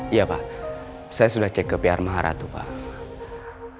iya pak saya sudah cek ke pr maharatu pak